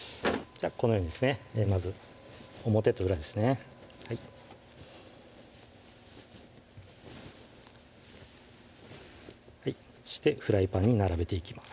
このようにですねまず表と裏ですねはいフライパンに並べていきます